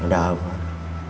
ada apa pak